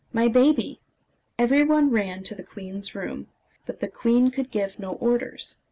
my baby!" Every one ran to the queen's room. But the queen could give no orders.